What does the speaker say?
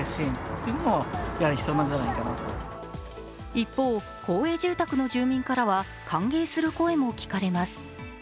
一方、公営住宅の住民からは歓迎する声も聞かれます。